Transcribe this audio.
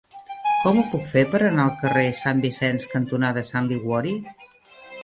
Com ho puc fer per anar al carrer Sant Vicenç cantonada Sant Liguori?